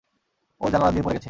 ও জানালা দিয়ে পড়ে গেছে!